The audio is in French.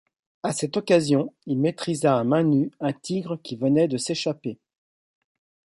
À cette occasion, il maîtrisa à mains nues un tigre qui venait de s'échapper.